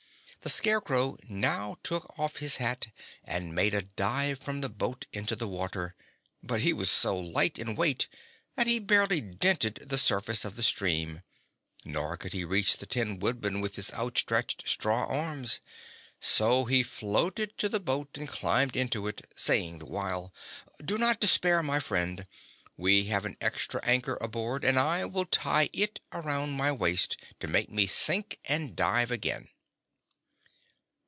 The Scarecrow now took off his hat and made a dive from the boat into the water; but he was so light in weight that he barely dented the surface of the stream, nor could he reach the Tin Woodman with his outstretched straw arms. So he floated to the boat and climbed into it, saying the while: "Do not despair, my friend. We have an extra anchor aboard, and I will tie it around my waist, to make me sink, and dive again."